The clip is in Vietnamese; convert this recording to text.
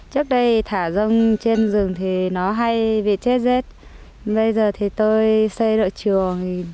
trước đây thả rong trên rừng thì nó hay bị chết rết bây giờ thì tôi xây đội chuồng